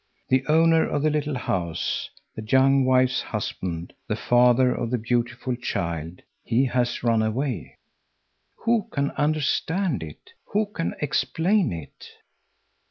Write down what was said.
The owner of the little house, the young wife's husband, the father of the beautiful child, he has run away. Who can understand it? who can explain it?"